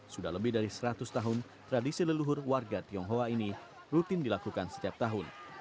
sudah lebih dari seratus tahun tradisi leluhur warga tionghoa ini rutin dilakukan setiap tahun